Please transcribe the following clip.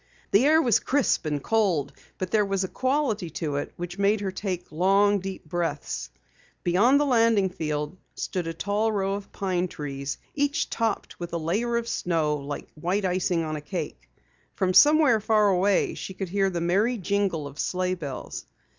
The air was crisp and cold, but there was a quality to it which made her take long, deep breaths. Beyond the landing field stood a tall row of pine trees, each topped with a layer of snow like the white icing of a cake. From somewhere far away she could hear the merry jingle of sleigh bells.